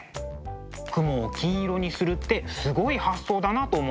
雲を金色にするってすごい発想だなと思ったんです。